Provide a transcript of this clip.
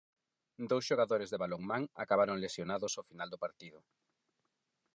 Dous xogadores de balonmán, acabaron lesionados ao final do partido.